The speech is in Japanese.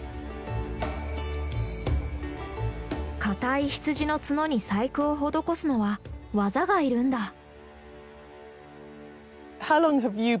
かたい羊の角に細工を施すのは技がいるんだ。